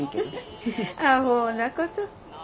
あほうなこと。